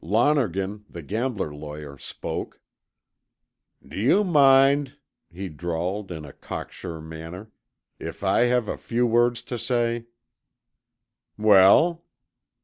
Lonergan, the gambler lawyer, spoke. "D'you mind," he drawled in a cocksure manner, "if I have a few words to say?" "Well?"